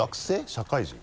社会人？